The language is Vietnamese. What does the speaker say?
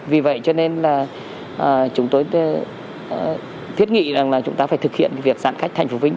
vì vậy cho nên là chúng tôi thiết nghị là chúng ta phải thực hiện việc giãn cách thành phố vĩnh